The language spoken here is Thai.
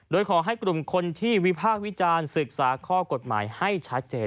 โดยขอให้กลุ่มคนที่วิพากษ์วิจารณ์ศึกษาข้อกฎหมายให้ชัดเจน